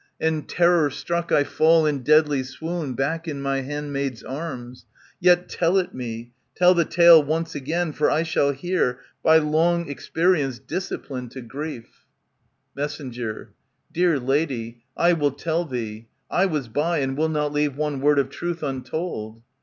And terror struck I fall in deadly swoon Back in my handmaids' arms ; yet tell it me. Tell the tale once again, for I shall hear, ^^^ By long experience disciplined to grief. ANTIGONE Mess. Dear lady, I will tell thee : I was by, And will not leave one word of truth untold.